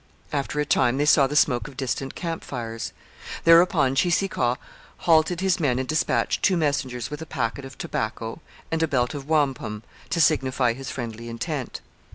After a time they saw the smoke of distant camp fires. Thereupon Cheeseekau halted his men and dispatched two messengers with a packet of tobacco and a belt of wampum to signify his friendly intent.